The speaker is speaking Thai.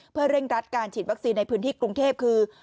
เพื่อเร่งรัดการฉีดวัคซีนในพื้นที่กรุงเทพคือ